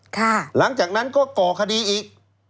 หลังจากนั้นก็ก่อคดีอีก